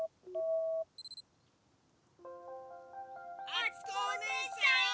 「あつこおねえさん！」。